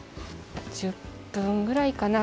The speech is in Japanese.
１０分ぐらいかな。